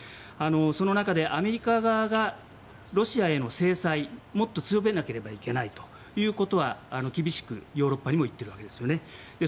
その中でアメリカ側がロシアへの制裁もっと強めなければいけないということは厳しくヨーロッパにも言っているわけですよね。